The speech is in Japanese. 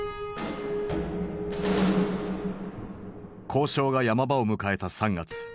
交渉が山場を迎えた３月。